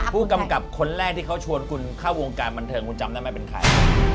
ผู้กำกับคนแรกที่เขาชวนคุณเข้าวงการบันเทิงคุณจำได้ไหมเป็นใคร